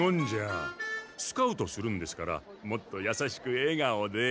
スカウトするんですからもっとやさしくえがおで。